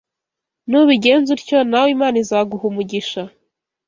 Nubigenza utyo nawe Imana izaguha umugisha